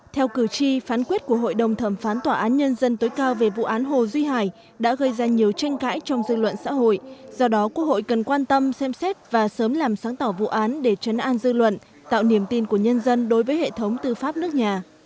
theo cử tri phán quyết của hội đồng thẩm phán tòa án nhân dân tối cao về vụ án hồ duy hải đã gây ra nhiều tranh cãi trong dư luận xã hội do đó quốc hội cần quan tâm xem xét và sớm làm sáng tỏ vụ án để chấn an dư luận tạo niềm tin của nhân dân đối với hệ thống tư pháp nước nhà